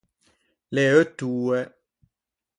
L’é eutt’oe.